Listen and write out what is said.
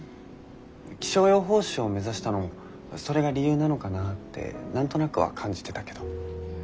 気象予報士を目指したのもそれが理由なのかなって何となくは感じてたけど。